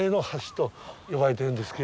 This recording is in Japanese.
呼ばれてるんですけれども。